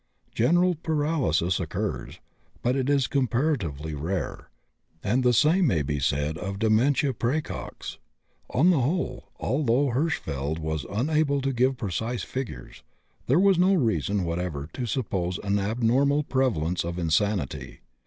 General paralysis occurs, but is comparatively rare, and the same may be said of dementia præcox. On the whole, although Hirschfeld was unable to give precise figures, there was no reason whatever to suppose an abnormal prevalence of insanity.